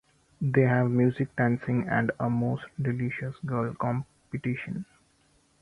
They have music, dancing and a "most delicious girl" competition.